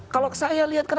kalau saya lihat kenapa